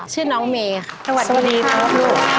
ชื่อน้องเมค่ะสวัสดีครับสวัสดีครับ